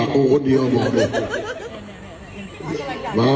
ฮ่า